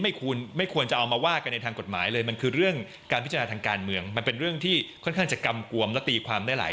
ไม่ผิดกฎหมายแต่อาจจะผิดฤยธรรมและส่งให้สารดิกาชี